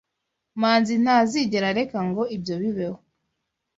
Manzi ntazigera areka ngo ibyo bibeho.